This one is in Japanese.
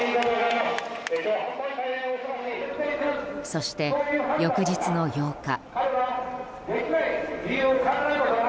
そして翌日の８日。